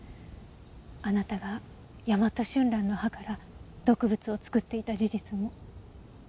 あなたがヤマトシュンランの葉から毒物を作っていた事実も。